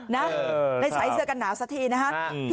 ได้ใส่เสื้อกันหนาวสักทีนะฮะ